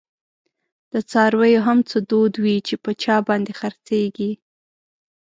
دڅارویو هم څه دود وی، چی په چا باندی خرڅیږی